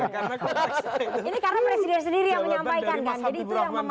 ini karena presiden sendiri yang menyampaikan kan